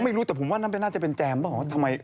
ไม่รู้แต่ผมว่าน่าจะเป็นแจมเปล่า